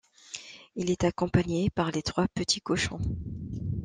Il est accompagné par les Trois Petits Cochons.